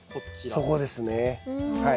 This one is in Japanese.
そこですねはい。